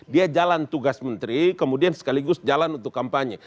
dia jalan tugas menteri kemudian sekaligus jalan untuk kampanye